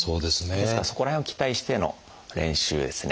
ですからそこら辺を期待しての練習ですね。